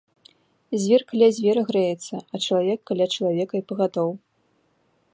Звер каля звера грэецца, а чалавек каля чалавека й пагатоў.